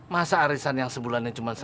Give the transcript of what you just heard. masa arisan yang sebulannya cuma seratus ribu